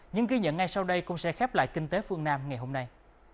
những ghi nhận ngay sau đây cũng sẽ khép lại kinh tế phương nam ngày hôm nay